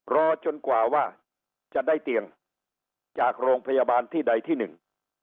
รอจนกว่าว่าจะได้เตียงจากโรงพยาบาลที่ใดที่หนึ่ง